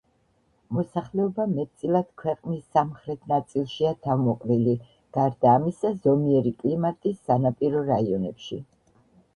მოსახლეობა მეტწილად ქვეყნის სამხრეთ ნაწილშია თავმოყრილი, გარდა ამისა ზომიერი კლიმატის სანაპირო რაიონებში.